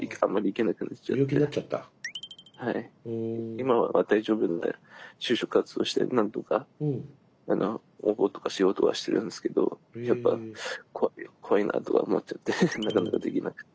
今は大丈夫で就職活動して何とか応募とかしようとはしてるんですけどやっぱ怖いなとか思っちゃってなかなかできなくて。